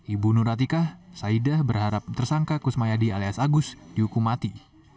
ibu nuratika saidah berharap tersangka kusmayadi alias agus dihukum mati